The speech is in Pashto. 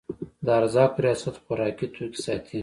د ارزاقو ریاست خوراکي توکي ساتي